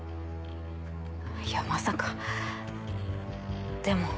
いやまさかでも。